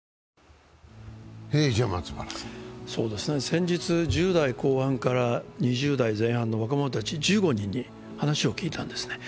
先日１０代後半から２０代前半の若者たち１５人に話を聞いたんですね。